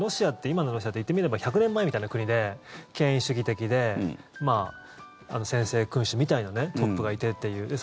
今のロシアって、言ってみれば１００年前みたいな国で権威主義的で、専制君主みたいなトップがいてっていう。